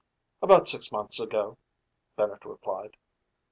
"About six months ago," Bennett replied.